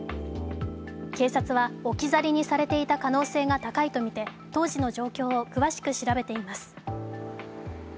警察は、置き去りにされていた可能性が高いとみて、当時の状況を詳しく調べています。